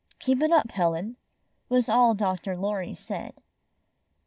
"Keep it up, Helen," was all Dr. Lorry said.